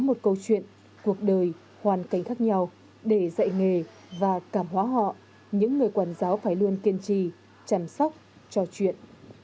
một câu chuyện cuộc đời hoàn cảnh khác nhau để dạy nghề và cảm hóa họ những người quản giáo phải luôn kiên trì chăm sóc trò chuyện